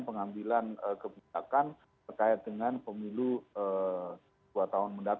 pengambilan kebijakan terkait dengan pemilu dua tahun mendatang ya satu lima tahun mendatang lah